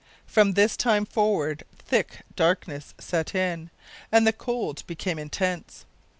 From this time forward thick darkness set in, and the cold became intense.